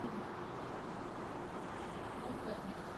Mnyama aliye na maambukizi ya kichaa cha mbwa hujaribu kukwea mawe makubwa